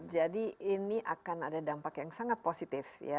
jadi ini akan ada dampak yang sangat positif ya